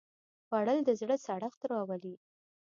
خوړل د زړه سړښت راولي